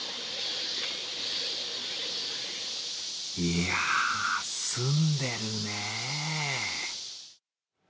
いやぁ、澄んでるね。